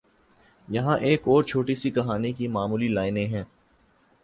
یہاں ایک اور چھوٹی سی کہانی کی معمولی لائنیں ہیں